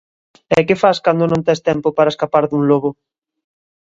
E que fas cando non tes tempo para escapar dun lobo?